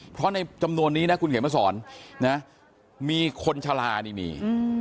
เพราะในจำนวนนี้นะคุณเขียนมาสอนนะมีคนชะลานี่มี